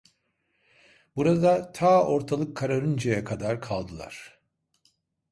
Burada ta ortalık kararıncaya kadar kaldılar.